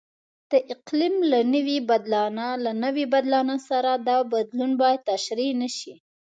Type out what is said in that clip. د اقلیم له نوي بدلانه سره دا بدلون باید تشریح نشي.